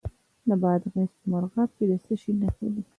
د بادغیس په مرغاب کې د څه شي نښې دي؟